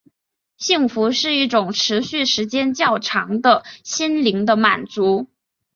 幸福是一种持续时间较长的心灵的满足。